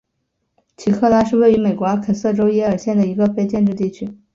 奇克拉是位于美国阿肯色州耶尔县的一个非建制地区。